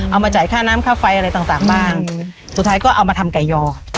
เอามาจ่ายค่าน้ำค่าไฟอะไรต่างบ้างสุดท้ายก็เอามาทำไก่ยอ